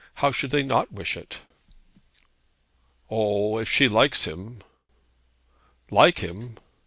How should they not wish it?' 'O, if she likes him !' 'Like him?